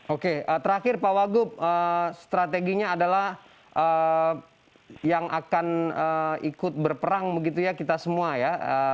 oke terakhir pak wagub strateginya adalah yang akan ikut berperang begitu ya kita semua ya